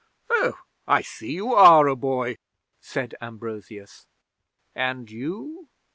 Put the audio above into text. '"Oh, I see you are a boy," said Ambrosius. "And you?"